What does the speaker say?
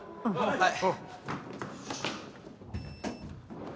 はい。